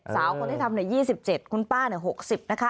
๒๗สาวคนที่ทำเนี่ย๒๗คุณป้าเนี่ย๖๐นะคะ